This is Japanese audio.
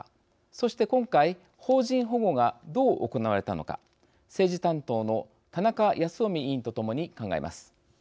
そして、今回、邦人保護がどう行われたのか政治担当の田中泰臣委員と共に考えます。